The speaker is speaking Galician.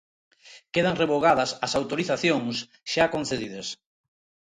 Quedan revogadas as autorizacións xa concedidas.